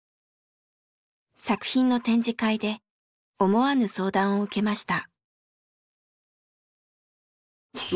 作品の展示会で思わぬ相談を受けました。